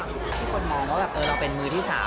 ที่คนมองว่าแบบเออเราเป็นมือที่สาม